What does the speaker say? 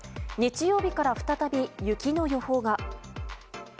日曜日から再び雪の予報が。